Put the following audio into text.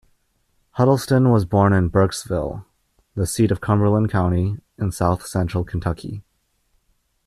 Huddleston was born in Burkesville, the seat of Cumberland County in south central Kentucky.